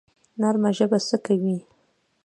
نرمه ژبه څه کوي؟